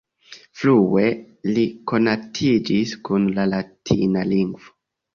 Frue li konatiĝis kun la latina lingvo.